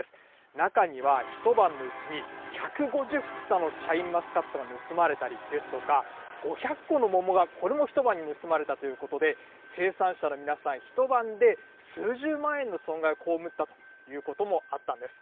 中には一晩のうちに１５０房のシャインマスカットが盗まれたりですとか、５００個の桃がこれも一晩に盗まれたということで、生産者の皆さん、一晩で数十万円の損害を被ったということもあったんです。